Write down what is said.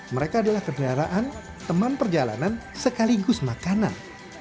mereka adalah kendaraan teman perjalanan sekaligus makanan